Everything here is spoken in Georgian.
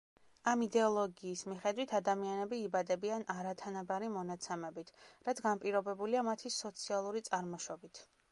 ამ იდეოლოგიის მიხედვით ადამიანები იბადებიან არათანაბარი მონაცემებით, რაც განპირობებულია მათი სოციალური წარმოშობით.